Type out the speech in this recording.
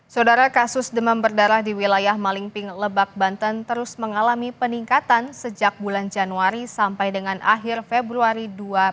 saudara kasus demam berdarah di wilayah malingping lebak banten terus mengalami peningkatan sejak bulan januari sampai dengan akhir februari dua ribu dua puluh